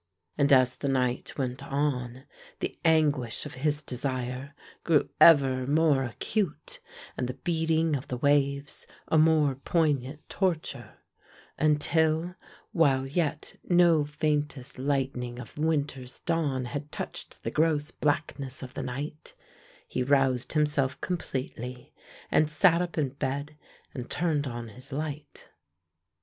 And as the night went on the anguish of his desire grew ever more acute, and the beating of the waves a more poignant torture, until while yet no faintest lightening of winter's dawn had touched the gross blackness of the night, he roused himself completely, and sat up in bed and turned on his light.